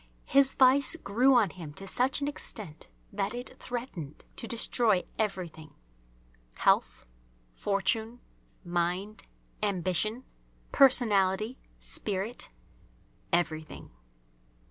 His vice grew on him to such an extent that it threatened to destroy everything, health, fortune, mind, ambition, personality, spirit, everything.